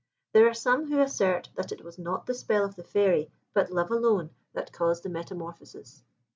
There are some who assert that it was not the spell of the Fairy, but love alone that caused this metamorphosis.